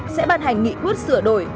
sẽ ban hành nghị quyết sửa đổi